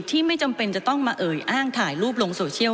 ไม่จำเป็นจะต้องมาเอ่ยอ้างถ่ายรูปลงโซเชียล